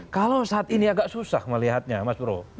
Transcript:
kalau saat ini agak susah melihatnya mas bro